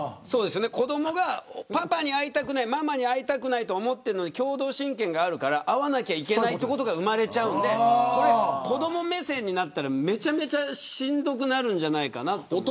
子どもがパパに会いたくないママに会いたくないと思っているのに共同親権があるから会わなきゃいけないとことか生まれるんで子ども目線になったらめちゃめちゃしんどくなるんじゃないかなと思う。